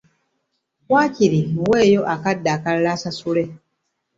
Waakiri muweeyo akadde akalala asasule.